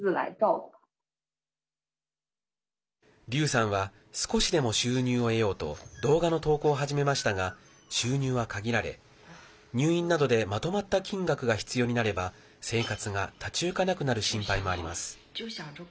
劉さんは少しでも収入を得ようと動画の投稿を始めましたが収入は限られ入院などでまとまった金額が必要になれば生活が立ち行かなくなる心配もあります。